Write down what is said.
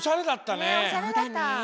ねっおしゃれだった。